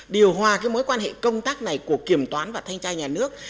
điều hòa cái mối quan hệ công tác này của kiểm toán và thanh tra nhà nước